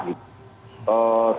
sehingga tidak menyulitkan pergerakan